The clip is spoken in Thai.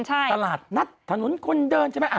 ตลาดนัดถนนคนเดินใช่ไหม